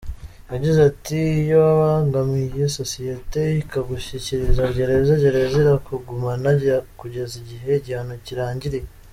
Yagize ati “Iyo wabangamiye sosiyete, ikagushyikiriza gereza, gereza irakugumana kugeza igihe igihano kirangiriye.